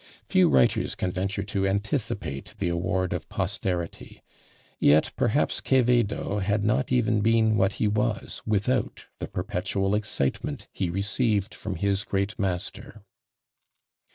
Few writers can venture to anticipate the award of posterity; yet perhaps Quevedo had not even been what he was without the perpetual excitement he received from his great master.